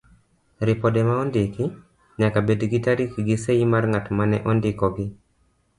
Ripode maondiki, nyaka bed gi tarik gi sei mar ng'atma ne ondikogi.